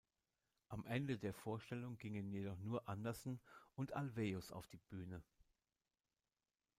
Am Ende der Vorstellung gingen jedoch nur Andersson und Ulvaeus auf die Bühne.